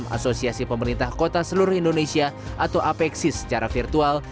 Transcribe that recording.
asosiasi pemerintah kota seluruh indonesia atau apexis secara virtual